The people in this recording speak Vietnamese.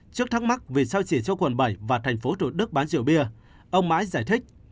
trước thắc mắc vì sao chỉ cho quận bảy và tp hcm bán rượu bia ông mãi giải thích